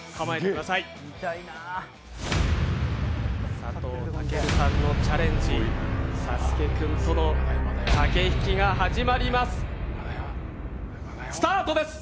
佐藤健さんのチャレンジ、サスケくんとの駆け引きが始まります。